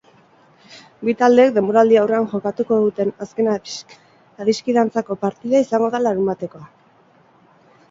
Bi taldeek denboraldi-aurrean jokatuko duten azken adiskidantzazko partida izango da larunbatekoa.